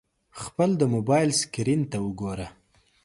خپل د موبایل سکرین ته وګوره !